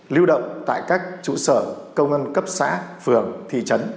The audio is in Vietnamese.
lưu động tại các trụ sở công an cấp xã phường thị trấn